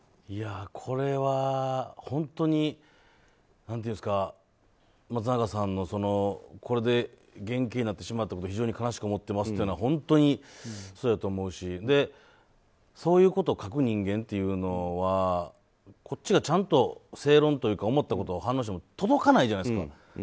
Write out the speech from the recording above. これは本当に松永さんのこれで減軽になってしまったこと非常に悲しく思っていますというのは本当にそうやと思うしそういうことを書く人間というのはこっちがちゃんと正論というか思ったことを話しても届かないじゃないですか。